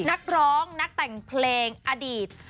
นักร้องนักแต่งเพลงอดีต